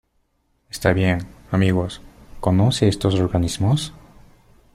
Está bien. Amigos .¿ conoce a estos organismos?